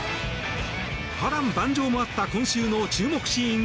波乱万丈もあった今週の注目シーン